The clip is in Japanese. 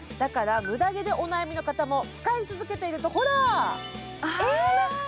無駄毛でお悩みの方も使い続けてると、ほらっ。